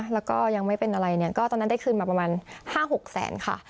แล้วก็ยังไม่เป็นอะไรเนี่ยก็ตอนนั้นได้คืนมาประมาณ๕๖แสนค่ะ